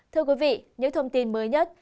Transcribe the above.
thưa quý vị những thông tin mới nhất